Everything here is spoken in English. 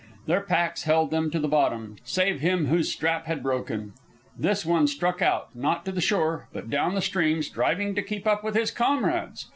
Their packs held them to the bottom, save him whose strap had broken. This one struck out, not to the shore, but down the stream, striving to keep up with his comrades.